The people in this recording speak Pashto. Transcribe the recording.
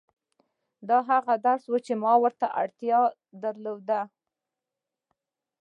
دا هغه درس و چې ما ورته اړتيا درلوده.